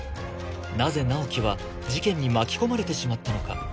なぜ直木は事件に巻き込まれてしまったのか？